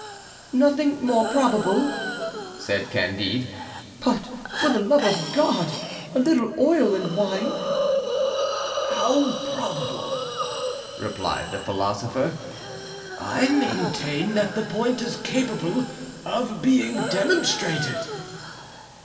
"Nothing more probable," said Candide; "but for the love of God a little oil and wine." "How, probable?" replied the philosopher. "I maintain that the point is capable of being demonstrated."